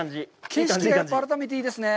景色が、改めていいですね。